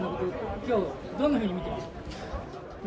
今日、どんなふうに見てました？